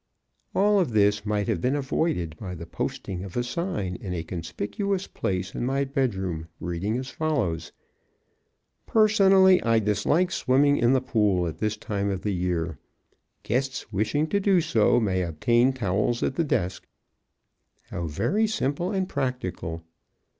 All of this might have been avoided by the posting of a sign in a conspicuous place in my bedroom, reading as follows: "Personally, I dislike swimming in the pool at this time of the year. Guests wishing to do so may obtain towels at the desk." How very simple and practical!